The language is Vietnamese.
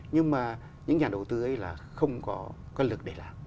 nhưng mà những nhà đầu tư ấy là không có lực để làm